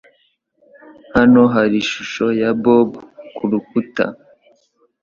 Hano hari ishusho ya Bob kurukuta.